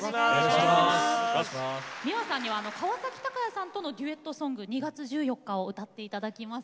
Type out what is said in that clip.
ｍｉｗａさんには、川崎鷹也さんとのデュエットソング「２月１４日」を歌っていただきます。